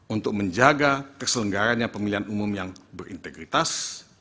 untuk menjaga keselenggaranya pemilihan umum yang berintegritas